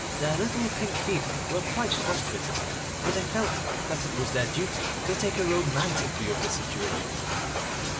Their little pink feet were quite frost bitten, but they felt that it was their duty to take a romantic view of the situation.